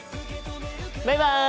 バイバイ！